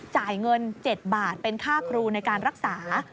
จ่ายเงิน๗บาทเป็นค่าครูในการรักษา